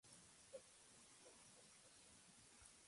El bolo kun-tigui mandó esta unidad.